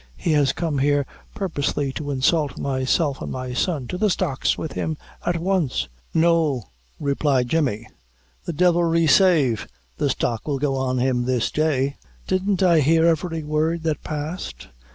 He has come here purposely to insult myself and my son. To the stocks with him at once." "No!" replied Jemmy; "the devil resave the stock will go on him this day. Didn't I hear every word that passed?